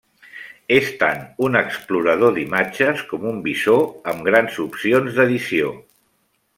És tant un explorador d'imatges com un visor amb grans opcions d'edició.